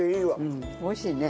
うん美味しいね。